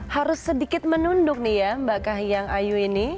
harus sedikit menunduk nih ya mbak kahiyang ayu ini